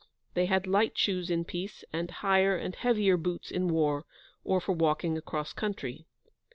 They had light shoes in peace, and higher and heavier boots in war, or for walking across country.